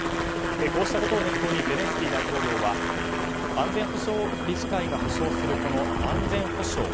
こうしたことを念頭にゼレンスキー大統領は安全保障理事会が保証する安全保障